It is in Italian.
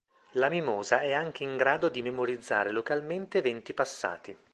La mimosa è anche in grado di memorizzare localmente eventi passati.